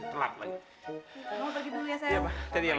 kamu pergi dulu ya sayang